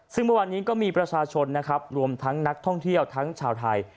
ซึ่งเมื่อวานนี้ก็มีประชาชนนะครับรวมทั้งนักท่องเที่ยวทั้งชาวไทย